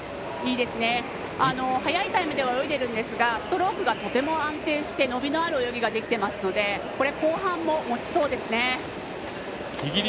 早いタイムでは泳いでいるんですがストロークがとても安定して伸びのある泳ぎができていますので後半も持ちそうです。